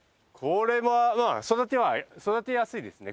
これは育ては育てやすいですね